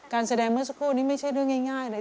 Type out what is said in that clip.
การแสดงเมื่อสักครู่นี้ไม่ใช่เรื่องง่ายเลย